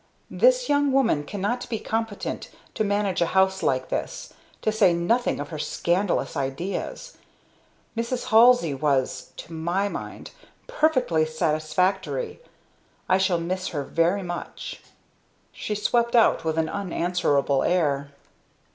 This young woman cannot be competent to manage a house like this to say nothing of her scandalous ideas. Mrs. Halsey was to my mind perfectly satisfactory. I shall miss her very much." She swept out with an unanswerable air.